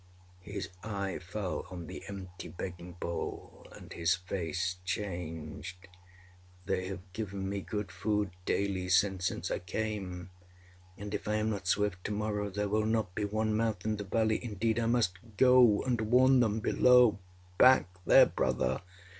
â His eye fell on the empty begging bowl, and his face changed. âThey have given me good food daily since since I came, and, if I am not swift, to morrow there will not be one mouth in the valley. Indeed, I must go and warn them below. Back there, Brother!